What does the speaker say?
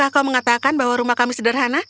kau mengatakan bahwa rumah kami sederhana